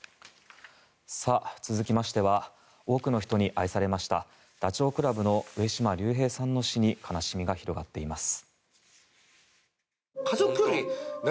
続きましては多くの人に愛されましたダチョウ倶楽部の上島竜兵さんの死に悲しみが広がっています。